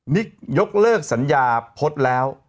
ิ๊กยกเลิกสัญญาพจน์แล้ว